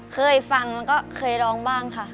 เคยฟังแล้วก็เคยร้องบ้างค่ะ